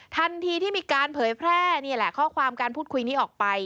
ทันทีที่มีการเผยแพร่นี่แหละข้อความการพูดคุยนี้ออกไป